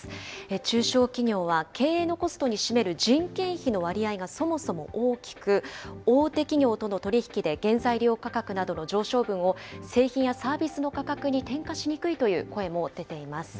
中小企業は経営のコストに占める人件費の割合がそもそも大きく、大手企業との取り引きで原材料価格などの上昇分を製品やサービスの価格に転嫁しにくいという声も出ています。